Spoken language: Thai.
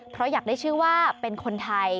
เพราะอยากได้ชื่อว่าเป็นคนไทย